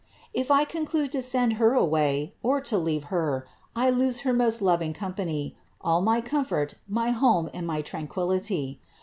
If I conclude to send Her away, or to leave Her, I lose her most loving com pany, all my comfort, my home and my tranquillity.